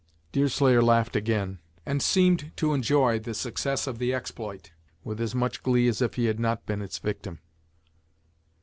Deerslayer laughed again, and seem'd to enjoy the success of the exploit, with as much glee as if he had not been its victim.